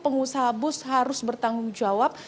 pengusaha bus harus bertanggung jawab